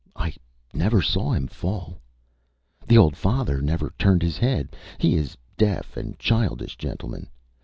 I never saw him fall. ... The old father never turned his head. He is deaf and childish, gentlemen.